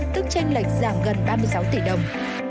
tức tranh lệch giảm gần ba mươi sáu tỷ đồng